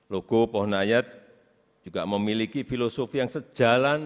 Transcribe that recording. logo pohon ayat juga memiliki filosofi yang sejalan